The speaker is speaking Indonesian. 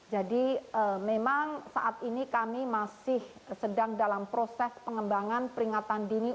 jadi memang saat ini kami masih sedang dalam proses pengembangan peringatan dini